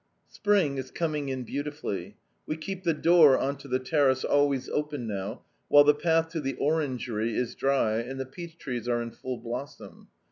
"Spring is coming in beautifully. We keep the door on to the terrace always open now, while the path to the orangery is dry and the peach trees are in full blossom.